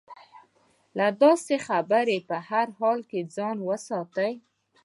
له داسې خبرې په هر حال کې ځان وساتي.